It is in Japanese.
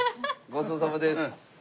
ごちそうさまです。